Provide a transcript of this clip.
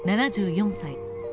７４歳。